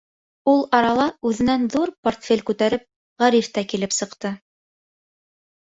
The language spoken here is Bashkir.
Ул арала үҙенән ҙур портфель күтәреп Ғариф та килеп сыҡты.